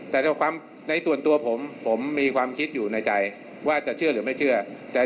แต่ในส่วนตัวผมผมมีความคิดอยู่ในใจว่าจะเชื่อหรือไม่เชื่อ